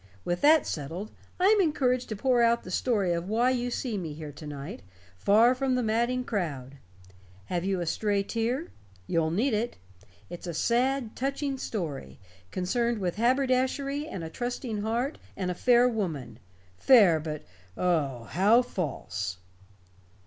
With that settled, I'm encouraged to pour out the story of why you see me here to night, far from the madding crowd. Have you a stray tear? You'll need it. It's a sad touching story, concerned with haberdashery and a trusting heart, and a fair woman fair, but, oh, how false!"